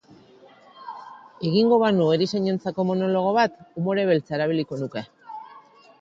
Egingo banu erizainentzako monologo bat, umore beltza erabiliko nuke.